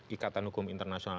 ikatan hukum internasional